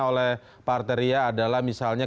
oleh pak arteria adalah misalnya